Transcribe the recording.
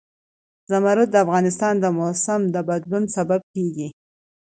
زمرد د افغانستان د موسم د بدلون سبب کېږي.